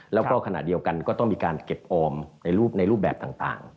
แล้วก็ขณะเดียวกันก็ต้องมีการเก็บออมในรูปแบบต่าง